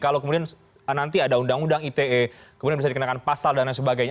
kalau kemudian nanti ada undang undang ite kemudian bisa dikenakan pasal dan lain sebagainya